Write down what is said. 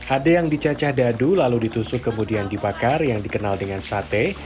ada yang dicacah dadu lalu ditusuk kemudian dibakar yang dikenal dengan sate